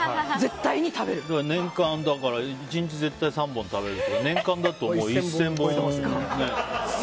年間、１日絶対３本食べるから年間だと１０００本。